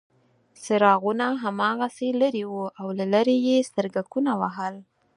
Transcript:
څراغونه هماغسې لرې وو او له لرې یې سترګکونه وهل.